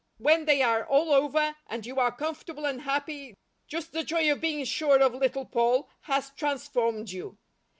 When they are all over, and you are comfortable and happy, just the joy of being sure of Little Poll has transformed you.